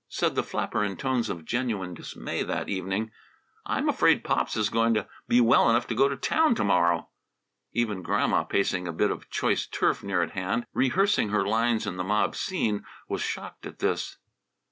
Said the flapper in tones of genuine dismay that evening: "I'm afraid Pops is going to be well enough to go to town to morrow!" Even Grandma, pacing a bit of choice turf near at hand, rehearsing her lines in the mob scene, was shocked at this.